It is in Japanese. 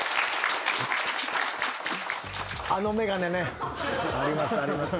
あの眼鏡ね。ありますあります。